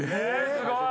すごい！